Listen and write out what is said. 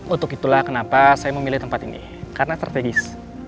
untuk itulah kenapa saya memilih tempat ini karena strategis